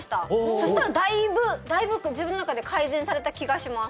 そしたらだいぶ自分の中で改善された気がします